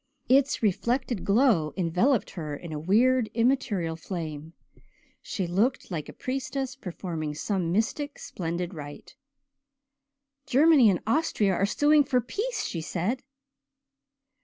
Its reflected glow enveloped her in a weird immaterial flame. She looked like a priestess performing some mystic, splendid rite. "Germany and Austria are suing for peace," she said.